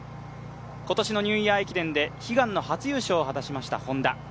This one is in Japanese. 今年のニューイヤー駅伝で悲願の初優勝を果たしましたＨｏｎｄａ。